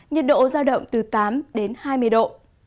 nhiệt độ giao động từ tám đến hai mươi độ